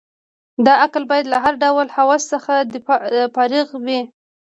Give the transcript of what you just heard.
دا عقل باید له هر ډول هوس څخه فارغ وي.